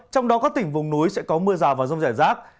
trong đó các tỉnh vùng núi sẽ có mưa rào và rông rải rác